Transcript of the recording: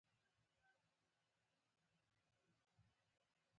د شمال ډیری اوسیدونکي د ژمي له میاشتو خوند اخلي